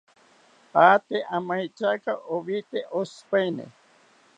Aate amaetyaka owite oshipaeni